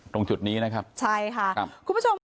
ตรงจุดนี้นะครับใช่ค่ะครับคุณผู้ชมค่ะ